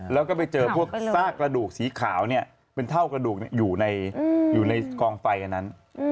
แล้วก็ไปเจอพวกซากระดูกสีขาวเนี่ยเป็นเท่ากระดูกอยู่ในกองไฟอันนั้น